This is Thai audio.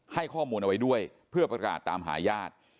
ให้ข้อมูลเอาไว้ด้วยเพื่อประกาศตามหาญาติ